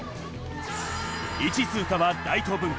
１位通過は大東文化。